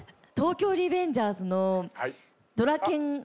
『東京リベンジャーズ』のドラケン。